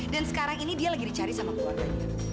dan sekarang ini dia lagi dicari sama keluarganya